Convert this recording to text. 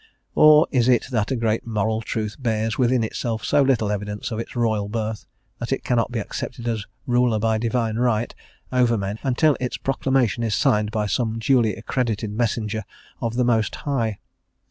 Or is it that a great moral truth bears within itself so little evidence of its royal birth, that it cannot be accepted as ruler by divine right over men until its proclamation is signed by some duly accredited messenger of the Most High?